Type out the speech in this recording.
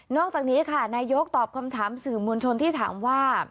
อกจากนี้ค่ะนายกตอบคำถามสื่อมวลชนที่ถามว่า